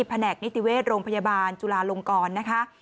แหนกนิติเวชโรงพยาบาลจุลาลงกรนะคะ